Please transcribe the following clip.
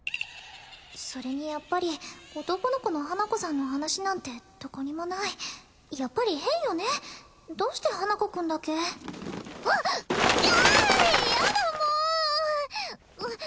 それにやっぱり男の子の花子さんの話なんてどこにもないやっぱり変よねどうして花子くんだけうわっきゃっやだもう！